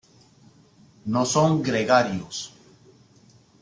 No son gregarios.